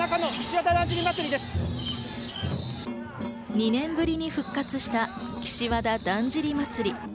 ２年ぶりに復活した岸和田だんじり祭。